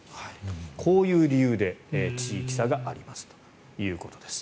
こういう理由で地域差がありますということです。